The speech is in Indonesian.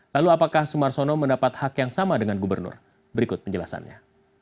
lalu apakah sumarsono mendapat hak yang sama dengan gubernur berikut penjelasannya